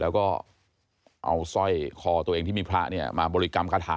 แล้วก็เอาสร้อยคอตัวเองที่มีพระเนี่ยมาบริกรรมคาถา